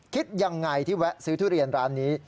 คิดยังไงที่แวะซื้อทุเรียนร้านนี้